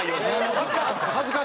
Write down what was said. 恥ずかしいの？